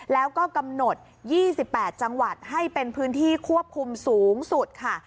แล้วก็กำหนด๒๘จังหวัดให้เป็นพื้นที่ควบคุมสูงสุดค่ะ